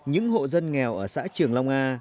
những hộ dân nghèo ở xã trường long a